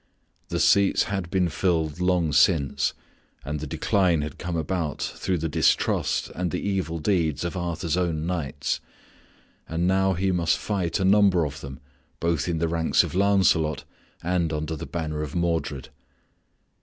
The seats had been filled long since, and the decline had come about through the distrust and the evil deeds of Arthur's own knights. And now he must fight a number of them both in the ranks of Lancelot and under the banner of Modred.